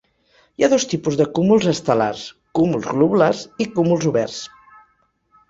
Hi ha dos tipus de cúmuls estel·lars: cúmuls globulars i cúmuls oberts.